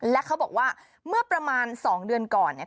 และเขาบอกว่าเมื่อประมาณ๒เดือนก่อนเนี่ย